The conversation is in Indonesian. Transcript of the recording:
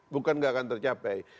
bukan gak akan tercapai